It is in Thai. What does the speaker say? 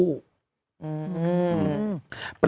อืม